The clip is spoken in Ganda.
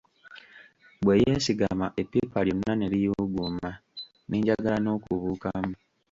Bwe yeesigama eppipa lyonna ne liyuuguuma, ne njagala n'okubuukamu.